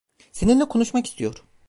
Seninle konuşmak istiyor.